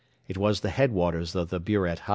It was the headwaters of the Buret Hei.